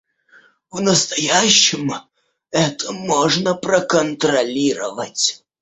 В настоящем это можно проконтролировать